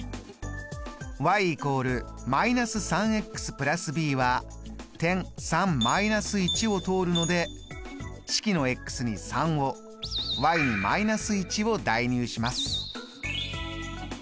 ｙ＝−３＋ｂは点を通るので式のに３をｙに−１を代入します。